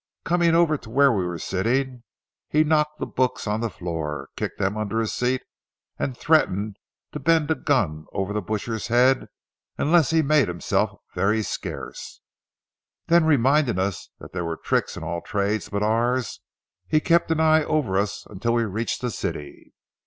Coming over to where we were sitting, he knocked the books on the floor, kicked them under a seat, and threatened to bend a gun over the butcher's head unless he made himself very scarce. Then reminding us that "there were tricks in all trades but ours," he kept an eye over us until we reached the city.